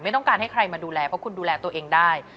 ต้องการให้ใครมาดูแลเพราะคุณดูแลตัวเองได้